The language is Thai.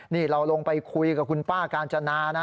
นี่เราลงไปคุยกับคุณป้ากาญจนานะ